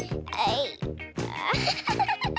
あアハハハハ。